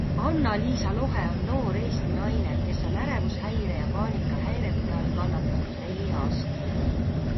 Anna-Liisa Lohe on noor Eesti naine, kes on ärevushäire ja paanikahäirete all kannatanud neli aastat.